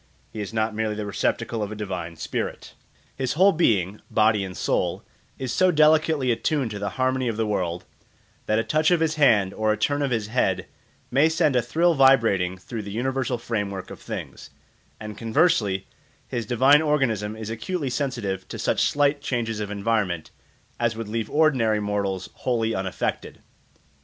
He is not merely the receptacle of a divine spirit. His whole being, body and soul, is so delicately attuned to the harmony of the world that a touch of his hand or a turn of his head may send a thrill vibrating through the universal framework of things; and conversely his divine organism is acutely sensitive to such slight changes of environment as would leave ordinary mortals wholly unaffected.